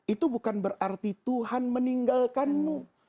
itu bukan berarti tuhan meninggalkanmu